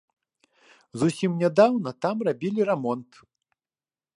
Зусім нядаўна там рабілі рамонт.